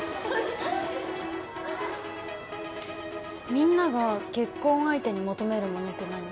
みんなが結婚相手に求めるものってなに？